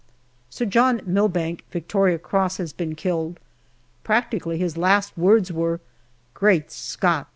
Sir John Milbanke, V.C., has been killed. Practically his last words were, " Great Scott